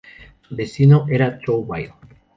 Su destino era Trouville.